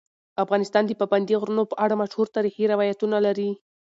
افغانستان د پابندی غرونه په اړه مشهور تاریخی روایتونه لري.